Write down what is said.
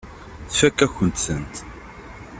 Tfakk-akent-tent.